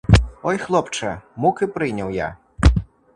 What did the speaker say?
Ой, хлопче, муки прийняв я!